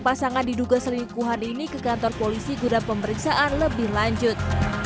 pasangan diduga selingkuhan ini ke kantor polisi guna pemeriksaan lebih lanjut